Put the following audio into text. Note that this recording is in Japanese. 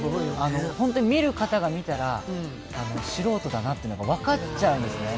本当に見る方が見たら、素人だなというのが分かっちゃうんですね。